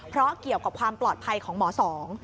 เพราะเกี่ยวกับความปลอดภัยของหมอสอง